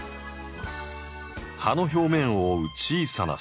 葉の表面を覆う小さなスポット。